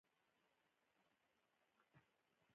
شېخ قاسم تذکرة الاولياء افغان په نوم یو کتاب لیکلی ؤ.